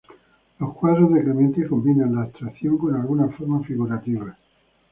Los cuadros de Clemente combinan la abstracción con algunas formas figurativas.